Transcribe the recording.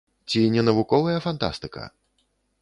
Ці не навуковая фантастыка?